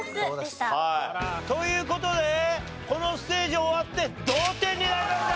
という事でこのステージ終わって同点になりました。